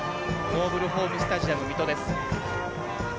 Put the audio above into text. ノーブルホームスタジアム水戸です。